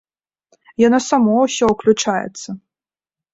Яно само ўсё ўключаецца.